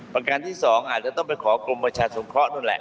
ประการที่๒อาจจะต้องไปขอกรมประชาสงเคราะห์นั่นแหละ